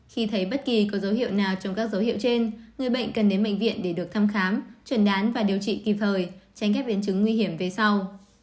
khi thấy bất kỳ có dấu hiệu nào trong các dấu hiệu trên người bệnh cần đến bệnh viện để được thăm khám truyền đoán và điều trị kịp thời tránh các biến chứng nguy hiểm về sau